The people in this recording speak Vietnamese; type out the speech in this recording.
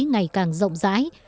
ngày càng rộng rãi